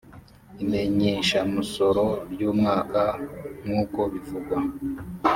imenyeshamusoro ry umwaka nk uko bivugwa